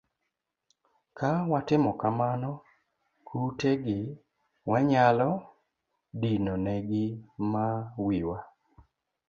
Ka watimo kamano kute gi wanyalo dino ne gi ma wiwa